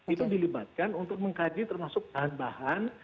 itu dilibatkan untuk mengkaji termasuk bahan bahan